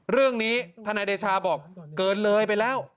เรื่องนี้ทนายเดชาบอกเกินเลยไปแล้ว